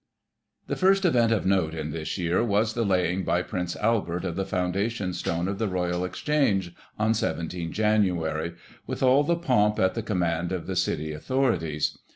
The first event of note in this year was the laying, by Prince Albert, of the foundation stone of the Royal Exchange, on 17 Jan., with all the pomp at the command of the City authorities.